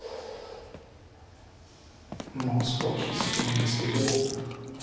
そこは利き筋なんですけど。